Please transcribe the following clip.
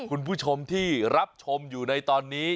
คุณผู้ชมที่รับชมอยู่ในตอนนี้